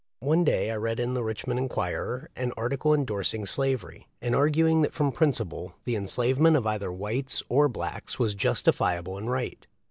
One day I read in the Richmond Enquirer an article endorsing slavery, and arguing that from principle the enslavement of either whites or blacks was justifiable and right.